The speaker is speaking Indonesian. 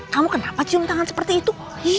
kamu kenapa cium tangan seperti itu